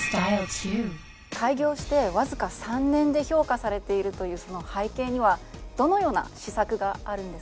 開業してわずか３年で評価されているというその背景にはどのような施策があるんですか？